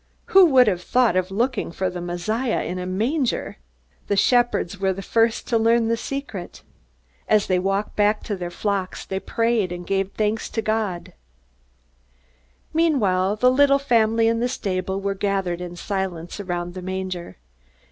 Who would have thought of looking for the Messiah in a manger! The shepherds were the first to learn the secret. As they walked back to their flocks they prayed and gave thanks to God. Meanwhile, the little family in the stable were gathered in silence around the manger.